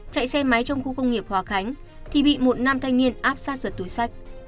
chạy xe máy trong khu công nghiệp hòa khánh thì bị một nam thanh niên áp sát giật túi sách